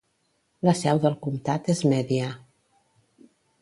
La seu del comtat és Media.